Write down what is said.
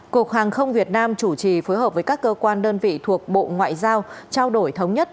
cục hàng không việt nam chủ trì phối hợp với các cơ quan đơn vị thuộc bộ ngoại giao trao đổi thống nhất